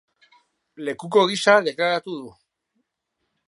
Lekuko gisa deklaratu du.